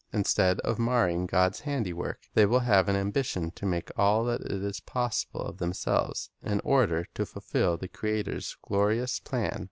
Instead of marring God's handiwork, they will have an ambition to make all that is possible of themselves, in order to fulfil the Creator's glorious plan.